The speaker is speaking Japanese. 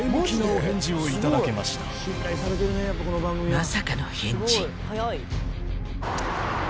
まさかの返事。